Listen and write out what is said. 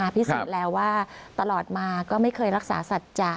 พิสูจน์แล้วว่าตลอดมาก็ไม่เคยรักษาสัจจะ